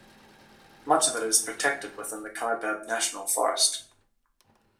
Much of it is protected within the Kaibab National Forest.